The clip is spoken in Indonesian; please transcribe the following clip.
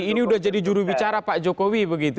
ini sudah jadi juru bicara pak jokowi begitu